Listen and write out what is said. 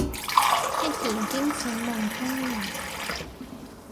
一言驚醒夢中人